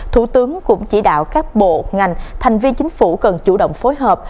thủ tướng cũng chỉ đạo các bộ ngành thành viên chính phủ cần chủ động phối hợp